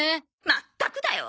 まったくだよ。